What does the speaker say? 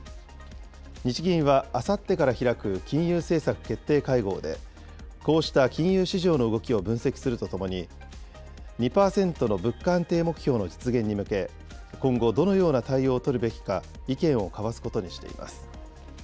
日銀はあさってから開く金融政策決定会合で、こうした金融市場の動きを分析するとともに、２％の物価安定目標の実現に向け、今後、どのような対応を取るべきか意見を交わすことにしています。